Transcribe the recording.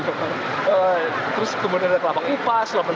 kemudian ada kelapa kupas